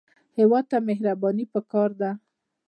هېواد ته مهرباني پکار ده